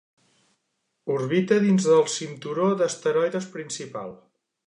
Orbita dins el cinturó d'asteroides principal.